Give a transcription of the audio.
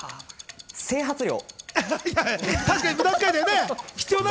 整髪料。